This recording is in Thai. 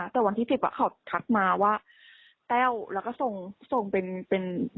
แต่วันที่๑๐เขาทักมาว่าแต้วแล้วก็ส่งส่งเป็นเป็น